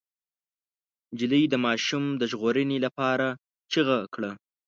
نجلۍ د ماشوم د ژغورنې لپاره چيغه کړه.